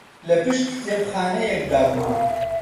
لە پشت کتێبخانەیەکدا بوو